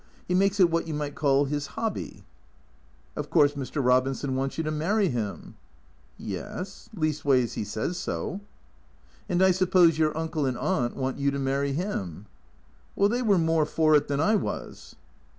He makes it what you might call 'is hobby." " Of course Mr. Robinson wants you to marry him ?"" Yes. Leastways he says so." " And I suppose your uncle and aunt want you to marry him ?"" They were more for it than I was."